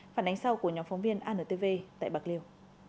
phản ánh sau của nhóm phóng viên antv tại bạc liêu